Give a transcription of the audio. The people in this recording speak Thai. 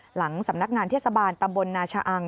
หลังสำนักงานเทศบาลตำบลนาชะอัง